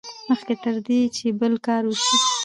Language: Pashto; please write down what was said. مخکې تر دې چې بل کار وشي.